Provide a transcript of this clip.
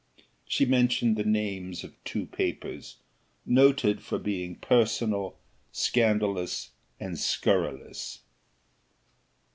She mentioned the names of two papers, noted for being personal, scandalous, and scurrilous.